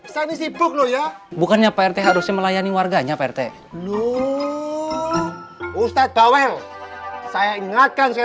saya sibuk lo ya bukannya pak rt harus melayani warganya prt lu ustadz bawel saya ingatkan saya